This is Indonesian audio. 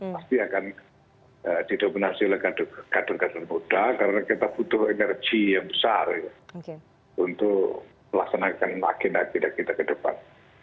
pasti akan didominasi oleh kader kader muda karena kita butuh energi yang besar untuk melaksanakan makin agenda kita ke depan